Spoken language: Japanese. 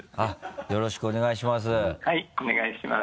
よろしくお願いします。